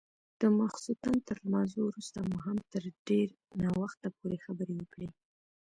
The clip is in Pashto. د ماخستن تر لمانځه وروسته مو هم تر ډېر ناوخته پورې خبرې وکړې.